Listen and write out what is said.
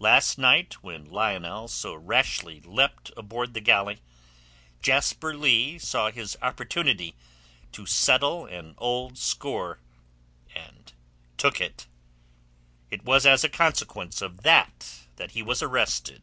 Last night when Lionel so rashly leapt aboard the galley, Jasper Leigh saw his opportunity to settle an old score and took it. It was as a consequence of that that he was arrested."